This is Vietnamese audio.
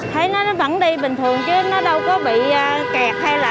thấy nó vẫn đi bình thường chứ nó đâu có bị kẹt hay là